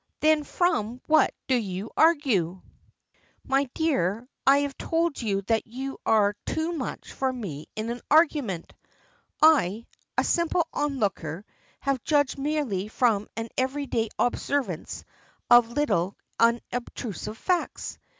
"Then from what do you argue?" "My dear, I have told you that you are too much for me in argument! I, a simple on looker, have judged merely from an every day observance of little unobtrusive facts.